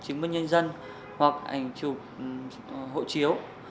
chứng minh nhân dân hoặc ảnh chụp hộ chiếu